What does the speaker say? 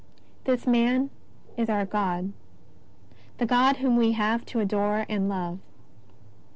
This Man is our God, the God whom we have to adore and love.